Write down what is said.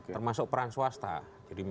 termasuk peran swasta jadi